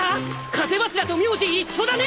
風柱と名字一緒だね！